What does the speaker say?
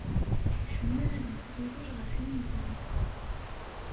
Iḥemmel ad yessiwel ɣef yigen.